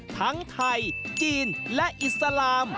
ทั้งไทยจีนและอิสลาม